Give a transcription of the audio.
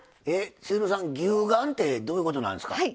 千鶴さん、牛丸ってどういうことなんですか？